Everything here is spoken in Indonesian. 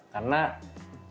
karena rumah yang unconnected